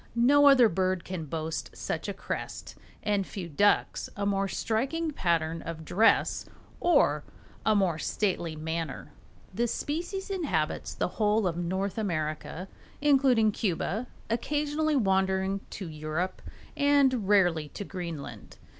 No other bird can boast such a crest, and few ducks a more striking pattern of dress or a more stately manner. The species inhabits the whole of North America, including Cuba, occasionally wandering to Europe and rarely to Greenland.